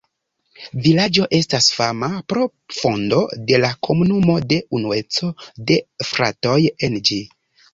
Vilaĝo estas fama pro fondo de la komunumo de "Unueco de fratoj" en ĝi.